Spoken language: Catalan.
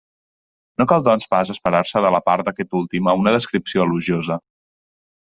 No cal doncs pas esperar-se de la part d'aquest últim a una descripció elogiosa.